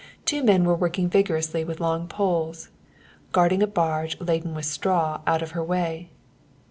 Two men were working vigorously with long poles, guiding a barge laden with straw out of her way.